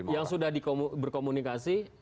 yang sudah berkomunikasi